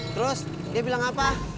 terus dia bilang apa